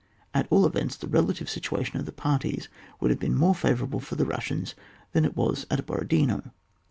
At all events, the relative situ ation of the parties would have been more favourable for the Bussians than it was at Borodino.